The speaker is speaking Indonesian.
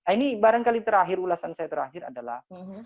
ini barangkali terakhir ulasan saya terakhir adalah